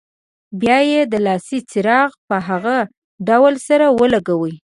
بیا یې د لاسي چراغ په هغه ډول سره ولګوئ.